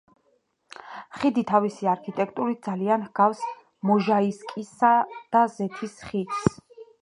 ხიდი თავისი არქიტექტურით ძალიან ჰგავს მოჟაისკისა და ზეთის ხიდს.